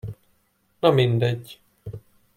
Na mindegy!